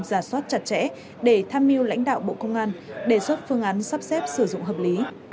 giả soát chặt chẽ để tham mưu lãnh đạo bộ công an đề xuất phương án sắp xếp sử dụng hợp lý